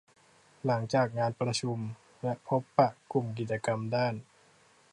หลังจากงานประชุมและพบปะกลุ่มกิจกรรมด้าน